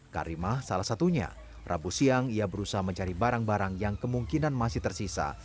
karimah salah satunya rabu siang ia berusaha mencari barang barang yang kemungkinan masih tersisa